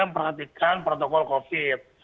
memperhatikan protokol covid